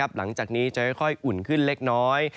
หลังจากนี้จะค่อยอุ่นขึ้นเล็กน้อย